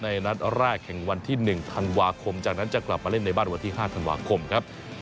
นัดแรกแข่งวันที่๑ธันวาคมจากนั้นจะกลับมาเล่นในบ้านวันที่๕ธันวาคมครับ